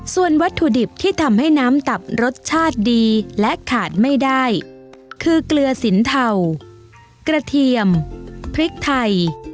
ส่วนวัตถุดิบที่ทำให้น้ำตับรสชาติดีและขาดไม่ได้คือเกลือสินเทากระเทียมพริกไทย